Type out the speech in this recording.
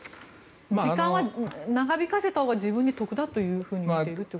時間は長引かせたほうが自分に得だとみているということですか？